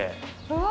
うわ。